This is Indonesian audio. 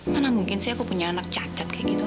mana mungkin sih aku punya anak cacat kayak gitu